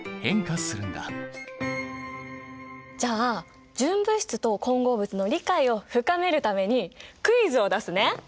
じゃあ純物質と混合物の理解を深めるためにクイズを出すね。